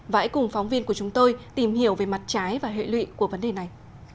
và hãy cùng phóng viên của chúng tôi tìm hiểu về mặt trái và hệ lụy của vấn đề này